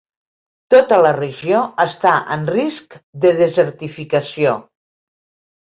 Tota la regió està en risc de desertificació.